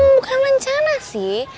bukan rencana sih